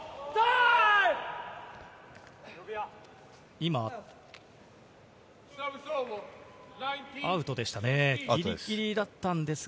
今、アウトでしたね。